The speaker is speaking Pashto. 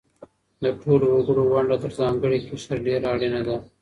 د ټولو وګړو ونډه تر ځانګړي قشر ډېره اړينه ده.